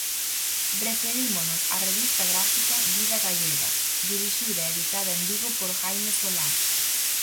Referímonos á revista gráfica "Vida Gallega", dirixida e editada en Vigo por Jaime Solá.